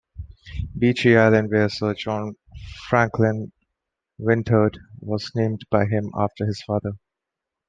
Beechey Island, where Sir John Franklin wintered, was named by him after his father.